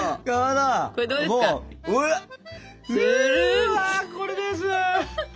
うわこれです！